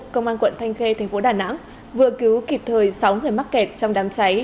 công an quận thanh khê tp đà nẵng vừa cứu kịp thời sáu người mắc kẹt trong đám cháy